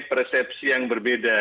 persepsi yang berbeda